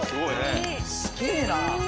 すげえな。